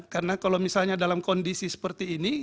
karena kalau misalnya dalam kondisi seperti ini